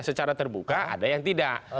secara terbuka ada yang tidak